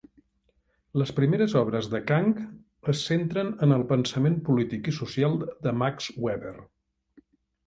Les primeres obres de Kang es centren en el pensament polític i social de Max Weber.